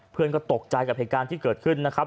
เพื่อนก็ตกใจกับเหตุการณ์ที่เกิดขึ้นนะครับ